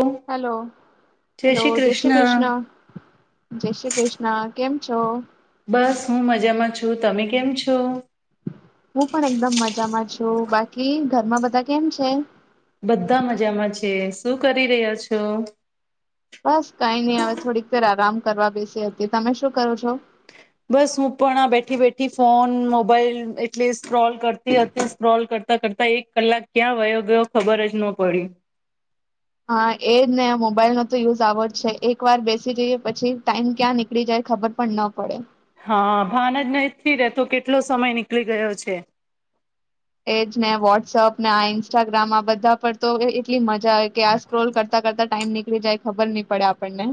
જય hello hello જય શ્રી કૃષ્ણ જય શ્રી કૃષ્ણ. કેમ છો. બસ હું મજામાં છું તમે કેમ છો. હું પણ એકદમ મજામાં છું બાકી ઘરમાં બધા કેમ છે. બધા મજામાં છે શું કરી રહ્યા છો. બસ કઈ નઈ હવે થોડીક વાર આરામ કરવા બેસી હતી તમે શું કરો છો. બસ હું પણ આ બેઠી બેઠી ફોન મોબાઈલ એટલી સ્ક્રોલ કરતી અ સ્ક્રોલ કરતા કરતા એક કલાક ક્યાં વયો ગયો ખબર જ ન પડી. હા એજ ને મોબાઈલ નો તો યુઝ આવો જ છે એક વાર બેસી જઈએ પછી ટાઈમ ક્યાં નીકળી જાય ખબર પણ ન પડે. હા ભાન જ નથીહ રેતો કેટલો સમય નીકળી ગયો છે. એજ ને વોટ્સઅપ ને આ ઇન્સ્ટાગ્રામ આ બધા પર તો એટલી મજા આવે કે આ સ્ક્રોલ કરતા કરતા ટાઈમ નીકળી જાય ખબર નહી પડે આપણને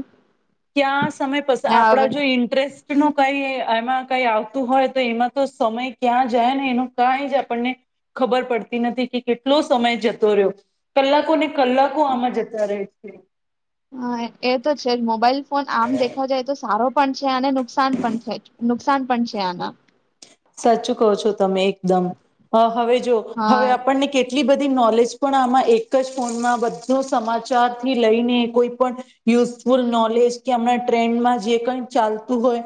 ક્યાં સમય પછી ને હવે આપડા જો ઈન્ટરેસ્ટ નો કઈ એમાં ક આવતું હોય તો એમાં તો સમય ક્યાં જાય ને એનું કઈ જ આપણને ખબર પડતી નથી કે કેટલો સમય જતો રહ્યો કલાકોને. કલાકો આમાં જતા રહે. [inaudible] હા એ તો છે મોબાઈલ. ફન આમ દેખવા જાય તો સારો. પણ છે અને નુકસાન પણ નુકસાન પણ છે આના. સાચું કહો છો તમે એકદમ હવે જો હવે હા આપણને કેટલી બધી. નોલેજ પણ આમાં એક જ ફોનમાં બધું સમાચાર થી લઈને કોઈ પણ યુઝફુલ નોલેજ કે આમણા ટ્રેન્ડમાં જે કઈ ચાલતું હોય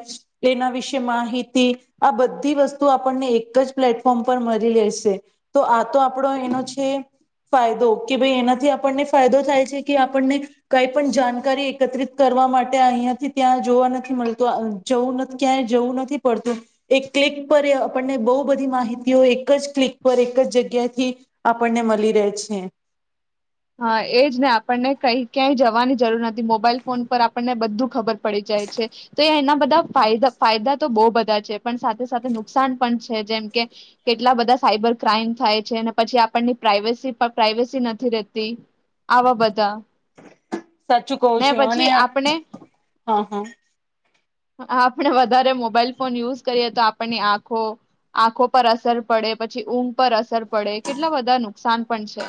એના વિશે માહિતી આ બધ. બધી વસ્તુ આપણને એક જ પ્લેટફોર્મ પર મળી લેશે તો આ તો આપણો એનો છે ફાયદો કે ભાઈ એનાથી આપણને ફાયદો થાય છે કે આપણને કઈ પણ જાણકારી એકત્રિત કરવા માટે અહીિયાયાથી ત્યાં જોવા નથી મળતું જવું ક્યાંય જવું નથી પડતું એક. ક્લિક પર આપણને બહુ બધી માહિતીઓ એક જ ક્લિક પર એક જ જગ્યાથી આપણને મળી રહે છે. હા એજ ને આપણને કઈ ક્યાંય જવાની જરૂર નથી મોબાઈલ ફોન પર આપણને બધું ખબર પડી જાય છે તો એ એના બધાા ફાયદા તો બહુ બધા છે પણ સાથે સાથે નુકસાન પણ છે જેમ કે કેટલા બધા સાયબર ક્રાઈમ થાય છે અનેને પછી આપણની પ્રઇવેસી પ્રાઇવેસી નથી રહેતી. આવા બધા. સાચું કહું ને છું અને પછી આપણે હા હા. આપણે વધારે મોબાઈલ ફોન યુઝ કરીએ તો આપણની આંખો આંખો પર અસર પડે પછી ઊંઘ પર અસર પડે કેટલા બધા નુકસાન પણ છે.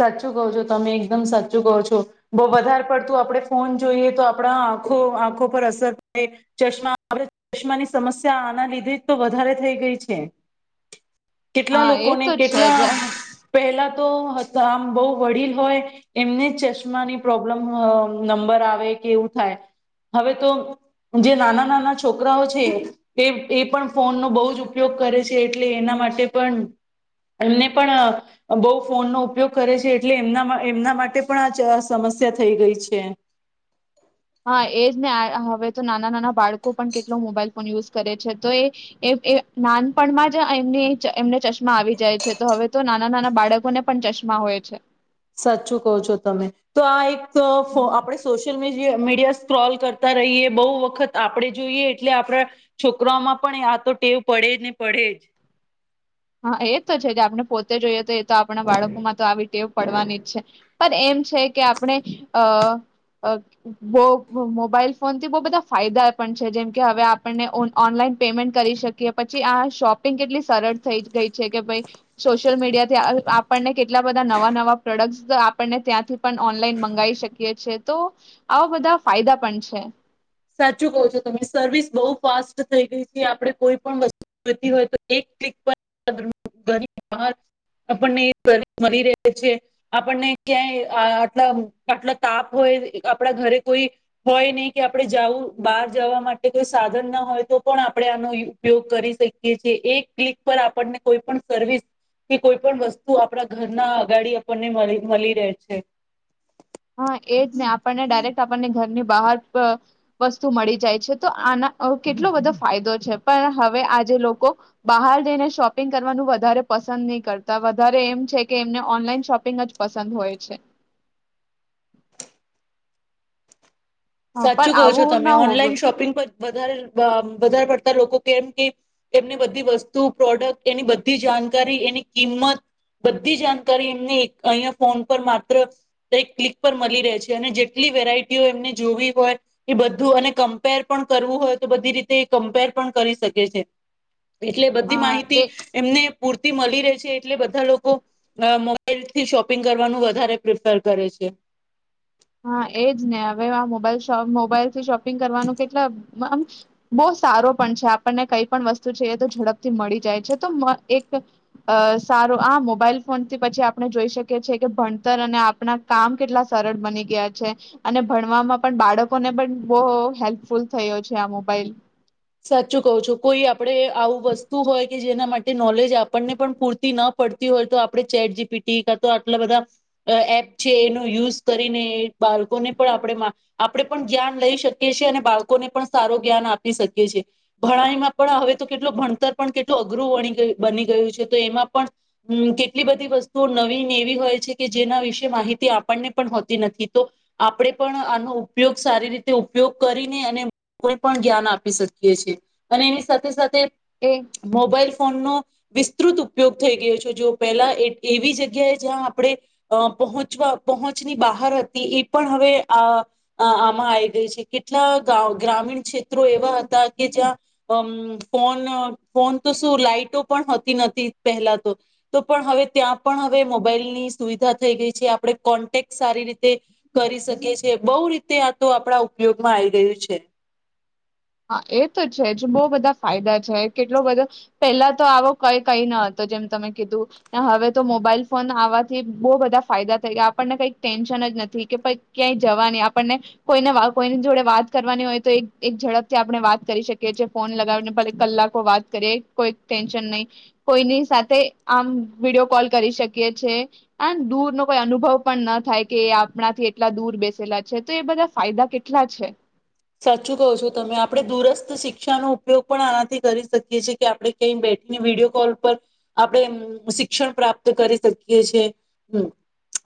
સાચું કહો છો તમે એકદમ સાચું કહો છો. બહુ વધારે પડતું આપણે ફોન જોઈએ તો આપણા આંખો આંખો પર અસર પડે ચશ્મા આપણે ચશ્માની સમસ્યા આના લીધે તો વધારે થઈ ગઈ છે. કેટલા હા એ લોકોને તો છે જ કેટલા પહેલા તો આમ બહુ વડીલ હોય એમને જ ચશ્માની પ્રોબ્લેમ નંબર આવે કે એવું થાય હવે તો જે નાના નાના છોકરાઓ છે એ એ પણ ફોનનો બહુ જ ઉપયોગ કરે છે. એટલે એના માટે પણ એમને પણ બહુ ફોનનોો ઉપયોગ કરે છે એટલે એમના એમના માટે પણ આ સમસ્યા થઈ ગઈ છે. હા એજ ને હવે તો નાના નાના બાળકો પણ કેટલો મોબાઈલ ફોન યુઝ કરે છે તો એ નાનપણમાં જ એમની એમને ચશ્મા આવી જાય છે તો હવે તો નાના નાના બાળકોને પણ ચશ્મા હોય છે. સાચું કહો છો તમે તો આ એક તોફો હમ આપણે સોશિયલ મી. મીડિયા સ્ક્રોલ કરતા રહીએ બહુ વખત આપણેે જોઈએ એટલે આપણા છોકરામાં પણ આ તો ટેવ પડે જ ને પડે જ. હા એ તો છે જે આપણે પોતે જોઈએ તો એ તો આપણા બાળકો માં તો આવી ટેવ પડવાની જ છે. પણ એમ છે કે આપણે અ અ બહ મોબાઈલ ફોનથી બહુ બધા ફાયદા પણ છે જેમકે હવે આપણને ઓનલાઈન પેમેન્ટ કરી શકીએ પછી આ શોપિંગ કેટલી સરળ. થઈ ગઈ છે કે ભાઈ સોશિયલ મીડિયાથી આપણને કેટલા બધા નવા નવા પ્રોડક્ટ આપણને ત્યાંથી પણ ઓનલાઈન મંગાવી શકીએ છેએ તો આવા બધા ફાયદા પણ છે. સાચું કહો છો તમે સર્વિસ બહુ ફાસ્ટ થઈ ગઈ છે આપણે કોઈ પણ વસ્તુતી હોય તો એક આપણને મળી રહે છે આપણને ક્યાંય આટલા આટલા તાપ હોય આપડા ઘરે કોઈ હોય નહ કે. આપણે જવું બહાર જવા માટે કોઈ સાધન ના હોય તો પણ આપણે આનો ઉપયોગ કરી શકીએ છેએ એક ક્લિક પર આપણને કોઈ પણ સર્વિસ કે કોઈ પણ વસ્તુ આપણા ઘરના અગાડી આપણને મળ મળી રહે છે. હા એજને આપણને ડાયરેક્ટ આપણને ઘરની બહાર બ વસ્તુ મળી જાય છે, તો આના અ કેટલો બધો ફાયદો છે. પણ હવે આજે લોકો બહાર જઈને શોપિંગ કરવાનું વધારે પસંદ નહી કરતા વધારે એમ છે કે એમને ઓનલાઈન શોપિંગ જ પસંદ હોય છે. અ સાચું પણ કહો છો આવું તમે, ના હોવું ઓનલાઈન શોપિંગ પર વધારે વધારે પડતા લોકો કેમ કે એમને બધી વસ્તુ, પ્રોડક્ટ, એની બધી જાણકારી, એની કિંમત બધી જાણકારી એમને એક અહિયાં ફોન પર માત્ર ક્લિક પર મળી રહે છે અને જેટલી વેરાયટીઓ એમને જોવી હોય એ બધું અને કમ્પેર પણ કરવું હોય તો બધી રીતે કમ્પેર પણ કરી શકે છે. એટલે બધી અ માહિતી એ એમને પૂર્તિ મળી રેય છે એટલે બધા લોકો મોબાઈલથી શોપિંગ કરવાનું વધારે પ્રિફર કરે છે. હા એજ ને હવે આ મોબાઈલ મોબાઈલ થી શોપિંગ કરવાનું કેટલા અમ બો સારો પણ છે, આપણને કઈ પણ વસ્તુ છે, એ તો ઝડપથી મળી જાય છે. તો મ એક સારો આ મોબાઈલ ફોનથી પછી આપણે જોઈ શકીએ છે કે ભણતર અને આપણા કામ કેટલા સરળ બની ગયા છે, અને ભણવામાં પણ બાળકોને પણ બો હેલ્પફુલ થયો છે આ મોબાઈલ. સાચું કવ છો કોઈ આપણે આવું વસ્તુ હોય કે જેના માટે નોલેજ આપણને પણ પૂરતી ન પડતી હોય તો આપણે ચેટ જીપીટી કા તો આટલા બધા એપ છે, એનો યુઝ કરીને બાળકોને પણ આપણે આપણે પણ જ્ઞાન લઈ શકીએ છેીએ અને બાળકોને પણ સારું જ્ઞાન આપી શ છે. ભણાઈમાં પણ હવે તો કેટલો ભણતર પણ કેટલું અઘરું વની બની ગયું છે, તો એમાં પણ હમ્મ કેટલી બધી વસ્તુઓ નવી નેવી હોય છે, કે જેના વિશે માહિતી આપણને પણ હોતી નથી તો આપણે પણ આનો ઉપયોગ સારી રીતે ઉપયોગ કરીને અને કોઈ પણ જ્ઞાન આપી શકીએ. દે છે અને એની સાથે સાથે એ મોબાઈલ ફોન નો વિસ્તૃત ઉપયોગ થઈ ગયો છે, જો પહેલા એવી જગ્યાએ જ્યાં આપણે પહોચવા પહોંચની બહાર હતી એ પણ હવે આ આમાં આઈ ગઈ છે. કેટલા ગ્રામીણ ક્ષેત્રો એવા હતા કે જ્યાં અમ ફોન ફોન તો શું લાાઈટો પણતી નથી પહેલા તો તો પણ હવે ત્યાં પણ હવે મોબાઈલની સુવિધા થઈ ગઈ છે, આપણે કોન્ટેક્ટ સારી રીતે કરી શકીએ છે બહુ રીતે આ તો આપણા ઉપયોગમાં આઈ રહ્યુ છે. હા એ તો છે, જ બહુ બધા ફાયદા છે, કેટલો બધો પેલા તો આવો કઈ કઈ ન હતો જેમ તમે કીધું હવે તો મોબાઈલ ફોન આવવાથી બહુ બધા ફાયદા થઈ ગયા આપણને કઈ ટેન્શન જ નથી કે ક્યાંય જવાની આપણને કોઈને [inaudible] કોઈની જોડે વાત કરવાની હોય તો એક ઝડપ આપણે વાત કરી શકીએ છીએ ફોન લગાવીને કલાકો વાત કરીએ કોઈ ટેન્શન નહી કોઈની સાથે આમ વિડીિયો કોલ કરી શકીએ છે, [unintelligible] દૂર ન કોઈ અનુભવ પણ ન થાય કે આપણાથી એટલા દૂર બેસેલા છે, તો એ બધા ફાયદા કેટલા છે. સાચું કહો છો તમે આપણે દુરસ્ત શિક્ષાનોો ઉપયોગ પણ આનાથી કરી શકીએ છેએ કે આપણે કઈ બેઠીને વિડીયો કોલ પર આપણે શિક્ષણ પ્રાપ્ત કરી શકીએ છે, હમ.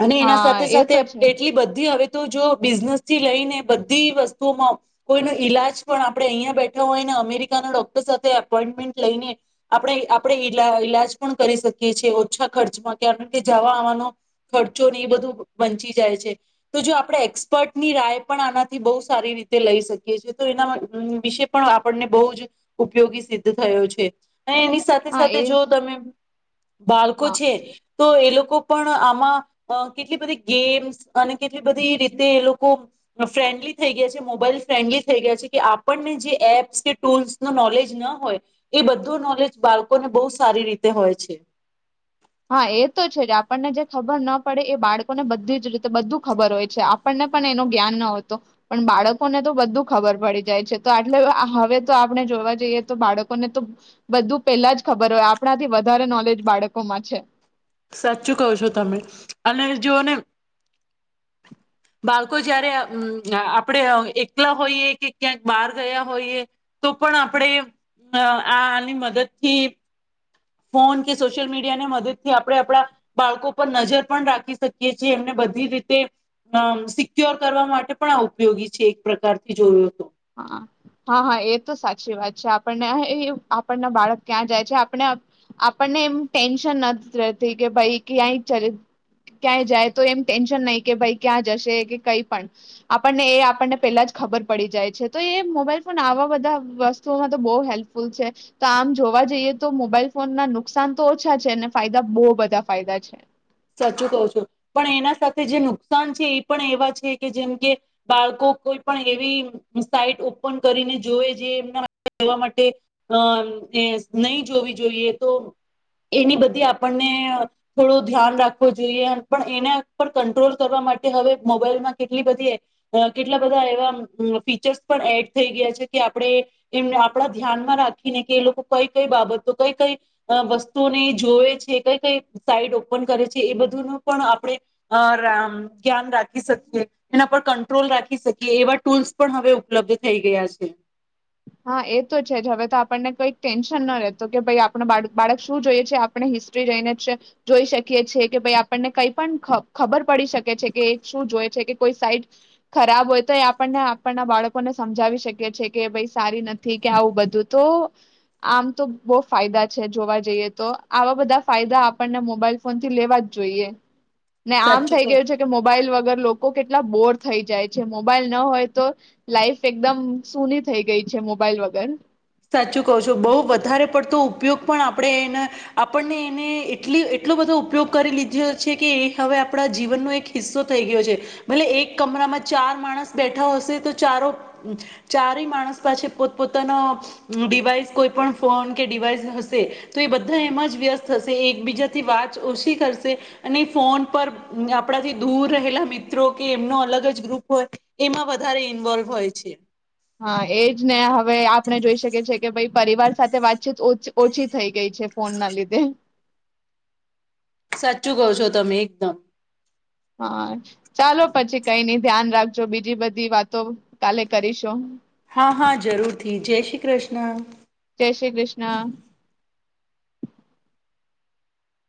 અને એના હા સાથે, એ સાથે, તો છે. એટલી બધી હવે તો જો બિઝનેસ થી લઈને બધી વસ્તુમાં કોઈનો ઈલાજ પણ આપડણે અહીયાં બેઠા હોય ને અમેરિકાના ડોક્ટર સાથે એપોઈન્ટમેન્ટ લઈને આપણે આપણે ઈ ઈલાજ પણ કરી શકીએ છેએ ઓછા ખર્ચમાં [inaudible] જવા આવવાનો ખર્ચોને એ બધું બચી જાય છે, તો જો આપણેે એક્સપર્ટની રાય પણ આનાથી બહુ સારી રીતે તે લઈ શકીએ છી તો એના વિશે પણ આપણને બહુ જ ઉપયોગી સિદ્ધ થયો છે. ને એની સાથે હા સાથે એ જો તમે બાળકો હા છે. તો એલોકો પણ આમાં અ કેટલી બધી ગેમ્સ અને કેટલી બધી રીતે એ લોકો ફ્રેન્ડલી થઈ ગયા છે. મોબાઈલ ફન્ડલી થઈ ગયા છે, કે આપણને જે એપ્સ કે ટૂલ્સ ન નોલેજ ન હોય એ બધું નોલેજ બાળકોને બહ સારી રીતે હોય છે. હા એ તો છે, જ આપણને જે ખબર ના પડે એ બાળકોને બધી જ રીતે બધું ખબર હોય છે, આપણને પણ એનો જ્ઞાન ન હોતો પણ બાળકોને તો બધું ખબર પડી જાય છે, તો આટલે હવે તો આપણે જોવા જઈએ તો બાળકોને તો બધું પેલા જ ખબર હોય આપણાથી વધારે નોલેજ બાળકોમાં છે. સાચું કહ છો તમે અને જોને બાળકો જયારે હમ આ આપણેે એકલા હોઈએ કે ક્યાંક બહાર ગયા હોઈએ તો પણ આપણે આની મદદથી ફોન કે સોશિયલ મીડિયાને મદદથી આપણે આપણા બાળકો પર નજર પણ રાખી શકીએ છીએ એમને બધી રીતે અ સિક્યોર કરવા માટે પણ આ ઉપયોગી છે, એક પ્રકારથી જોયો તો હા હા હા એ તો સાચી વાત, છે આપણને [inaudible] આપણના બાળક ક્યાં જાય છે, આપને આપણને એમ ટેન્શન [unintelligible] કે ભાઈ ક્યાંય ક્યાંય જાય તો એમ ટેન્શન નહી કે ભાઈ ક્યાં જશે કે કઈ પણ આપણને એ આપણને પેલા જ ખબર પડી જાય. તો એ મોબાઈલ ફોન આવા વધા વસ્તુઓમાં તો બો હેલ્પફુલ છે, તો આમ જોવા જઈએ તો મોબાઈલ ફોનના નુકસાન તો ઓછા છે, અને ફાયદા બો બધા ફાયદા છે. સાચું કવ છું પણ એના સાથે જે નુકસાન છે, એ પણ એવા છે કે જેમ કે બાળકો કોઈ પણ એવી સાઈટ ઓપન કરીને જોયે જે એમના જવા માટે અ નયી જોવી જોઈએ તો એની બધી આપણને થોડો ધ્યાન રાખવું જોઈએ પણ એના પર કંટ્રોલ કરવા માટે હવે મોબાઈલમાં કેટલી બધી કેટલા બધા એવા ફીચર્સ પણ એડ થઈ ગયા છે, કે આપણે એમને આપણા ધ્યાનમાં રાખીને કે એ લોકો કઈ કઈ બાબતો કઈ કઈ વસ્તુઓને જોવે છે, કઈ કઈ સાઈડ ઓ ઓપન કરે છે, એ બધું ન પણ આપણે [inaudible] ધ્યાન રાખી શકીએ એના પર કંટ્રોલ રાખી શકીએ એવા ટૂલ્સ પણ હવે ઉપલબ્ધ થઈ ગયા છે. હા એ તો છે, જ હવે તો આપણને કઈક ટેન્શન ન રહેેત કે ભાઈ આપણ બા બાળક શું જોઈએ છે, આપણે હિસ્ટ્રી [unintelligible] જ જોઈ શકીએ છેીએ કે ભાઈ આપણને કઈ પણ ખ ખબર પડી શકે છે, કે શું જોય છે, કે કોઈ સાઈડ ખરાબ હોય તો એ આપણને આપણના બાળકોને સમજાવી શકીએ છે, કે ભઈ સારી નથી કે આવું બધું તો આમ તો બો ફાયદા છે, જોવા જઈએ તો આવા બધા ફાયદા આપણને મોબાઈલ ફોન થી લેવા જ જોઈએ. ને આમ સાચું થઈ ક ગયું છે, કે મોબાઈલ વગર લોકો કેટલા બોર થઈ જાય છે, મોબાઈલ ના હોય તો લાઈફ એકદમ સૂની થઈ ગઈ. છે, મોબાઈલ વગર સાચું કહો છો, બો વધારે પડતો ઉપયોગ પણ આપણે એના આપણને એને એટલી એટલો બધો ઉપયોગ કરી લીધ્યો છે, કે એ હવે આપણા જીવનનો એક હિસ્સો થઈ ગયો છે, ભલે એક કમરામાં ચાર માણસ બેઠા હશે તો ચારો ચારેય માણસ પાસે પોતપોતાનો ડિવાઈસ કોઈ પણ ફોન કે ડિવાઈસ હશે, તો એ બધા એમાં જ વ્યસ્ત થશે, એકબીજાથી વાત ઓછી કરશે અને ફોન પર આપણાથી દૂર રહેલા મિત્રો કે એમનો અલગ જ ગ્રુપ હોય, એમાં વધારે ઇન્વોલ્વ હોય છે. હા એજ ને હવે, આપણે જોઈ શકીએ છીએ કે ભાઈ પરિવાર સાથે વાતચીત ઓછી થઈ ગઈ છે. ફોન ના લીધે સાચું કવ છો તમે એકદમ. હા ચાલો પછી કઈ નઈ ધ્યાન રાખજો, બીજી બધી વાતો કાલે કરીશું હા હા જરૂરથી, જય શ્રી કૃષ્ણ. જય શ્રી કૃષ્ણ.